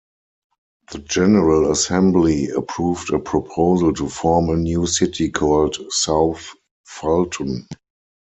The General Assembly approved a proposal to form a new city called South Fulton.